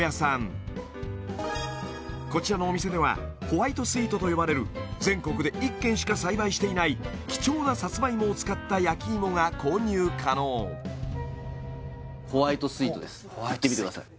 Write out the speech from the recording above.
こちらのお店ではホワイトスイートと呼ばれる全国で１軒しか栽培していない貴重なサツマイモを使った焼き芋が購入可能ホワイトスイートですいってみてください